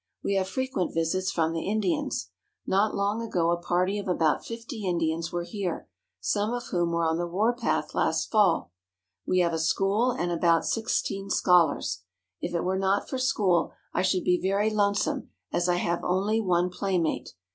We have frequent visits from the Indians. Not long ago a party of about fifty Indians were here, some of whom were on the war path last fall. We have a school, and about sixteen scholars. If it were not for school I should be very lonesome, as I have only one playmate.